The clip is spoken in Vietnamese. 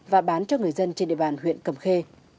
và bán cho người dân trên địa bàn huyện cầm khê